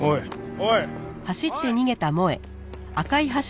おい！